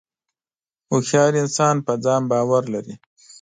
• هوښیار انسان پر ځان باور لري.